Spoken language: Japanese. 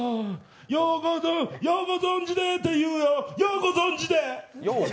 ようご存じでって言うよ、ようご存じで！